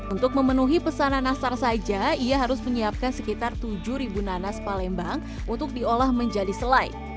untuk memenuhi pesanan nastar saja ia harus menyiapkan sekitar tujuh nanas palembang untuk diolah menjadi selai